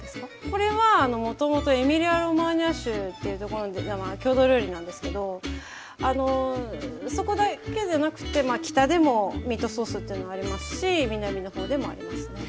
これはもともとエミリア・ロマーニャ州というところの郷土料理なんですけどそこだけじゃなくて北でもミートソースというのはありますし南の方でもありますね。